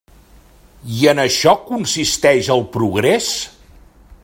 I en això consisteix el progrés?